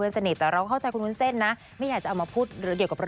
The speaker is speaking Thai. รู้สึกได้ว่าผู้ชายคนนี้เป็นคนที่อยากมีครอบครัว